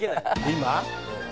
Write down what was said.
今？